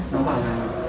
nó bảo là